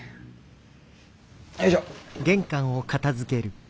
よいしょ。